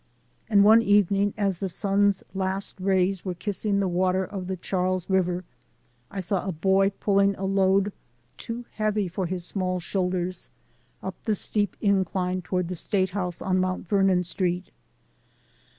And one evening as the sun's last rays were kissing the water of the Charles River, I saw a boy pulling a load too heavy for his small shoulders, up the steep incline toward the State 236 THE SOUL OF AN IMMIGRANT House on Mount Vernon Street.